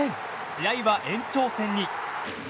試合は延長戦に。